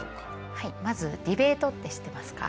はいまずディベートって知ってますか？